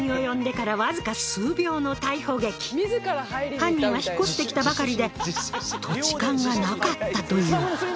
犯人は引っ越してきたばかりで土地勘がなかったという。